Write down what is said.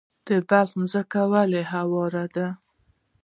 د بلخ ځمکې ولې هوارې دي؟